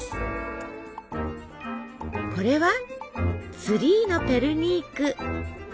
これはツリーのペルニーク。